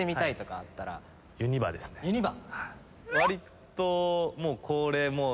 わりともう恒例。